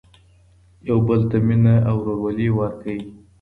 يو بل ته مينه او ورورولي ورکړئ.